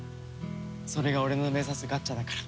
それが俺の目指すガッチャだから。